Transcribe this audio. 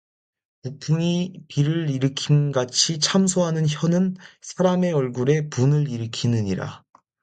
북풍이 비를 일으킴 같이 참소하는 혀는 사람의 얼굴에 분을 일으키느니라